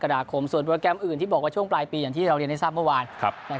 นาคมส่วนโปรแกรมอื่นที่บอกว่าช่วงปลายปีอย่างที่เราเรียนให้ทราบเมื่อวาน